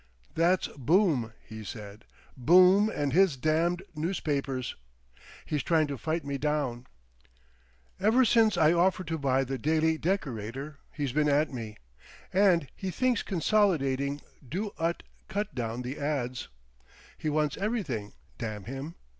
'" "That's Boom," he said. "Boom and his damned newspapers. He's trying to fight me down. Ever since I offered to buy the Daily Decorator he's been at me. And he thinks consolidating Do Ut cut down the ads. He wants everything, damn him!